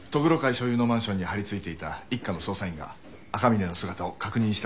所有のマンションに張り付いていた一課の捜査員が赤峰の姿を確認したとのことです。